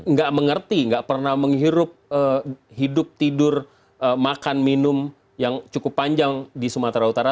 nggak mengerti nggak pernah menghirup hidup tidur makan minum yang cukup panjang di sumatera utara